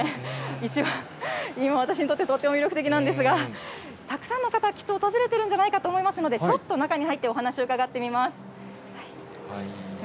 一番今、私にとってとっても魅力的なんですが、たくさんの方、きっと訪れているんじゃないかと思いますので、ちょっと中に入ってお話し伺ってみます。